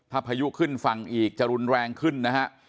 ถ้าพายุขึ้นฝั่งอีกจะรุนแรงขึ้นนะฮะ